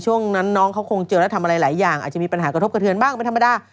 ช่วงนั้นน้องเขาคงเจอแล้วทำอะไรหลายอย่างอาจจะมีปัญหากระทบกระเทือนบ้างเป็นธรรมดา